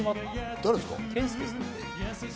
誰ですか？